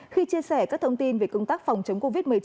khi chia sẻ các thông tin về công tác phòng chống covid một mươi chín